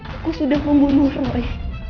aku sudah membunuh roy